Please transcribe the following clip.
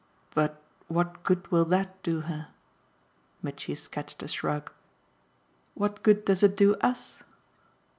"But what good will that do her?" Mitchy sketched a shrug. "What good does it do US?"